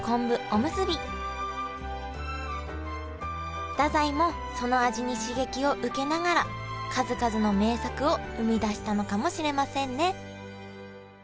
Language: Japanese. おむすび太宰もその味に刺激を受けながら数々の名作を生み出したのかもしれませんね